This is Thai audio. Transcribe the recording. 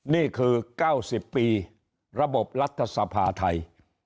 นี่คือ๙๐ปีระบบรัฐสภาไทย